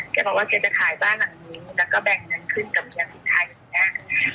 แกบอกว่าแกจะขายบ้านหลังนี้แล้วก็แบ่งเงินขึ้นกับเมียพริกไทยอย่างนี้